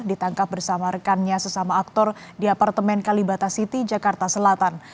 ditangkap bersama rekannya sesama aktor di apartemen kalibata city jakarta selatan